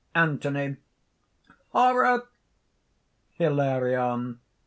_) ANTHONY. "Horror!" HILARION.